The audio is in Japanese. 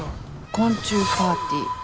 昆虫パーティー。